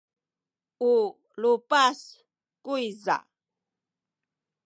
u lupas kuyza.